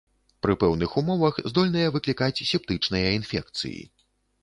Пры пэўных умовах здольныя выклікаць септычныя інфекцыі.